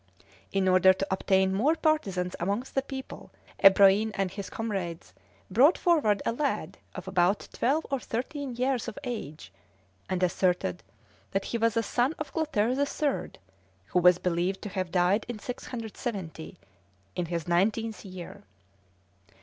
In order to obtain more partisans amongst the people, Ebroin and his comrades brought forward a lad of about twelve or thirteen years of age, and asserted that he was a son of Clotaire the Third, who was believed to have died in 670, in his nineteenth year.